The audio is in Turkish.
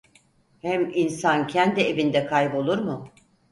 Hem insan kendi evinde kaybolur mu?